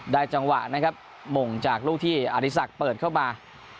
ได้จังหวะนะครับมงจากรูปที่อาอิสักเปิดเข้ามา